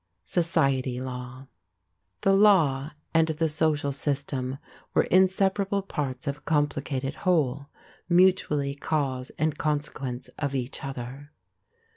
SOCIETY LAW. The law and the social system were inseparable parts of a complicated whole, mutually cause and consequence of each other.